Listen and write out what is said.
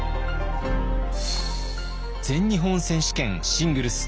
全日本選手権シングルス